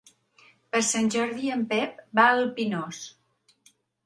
Per Sant Jordi en Pep va al Pinós.